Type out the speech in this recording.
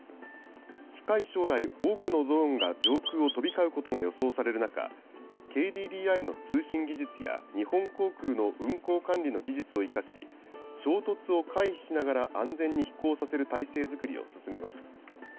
近い将来、多くのドローンが上空を飛び交うことが予想される中、ＫＤＤＩの通信技術や、日本航空の運航管理の技術を生かし、衝突を回避しながら安全に飛行させる体制作りを進めます。